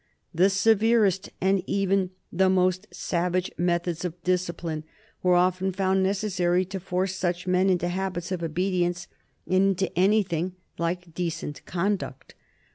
The severest and even the most savage methods of discipline were often found necessary to force such men into habits of obedience and into anything like decent conduct.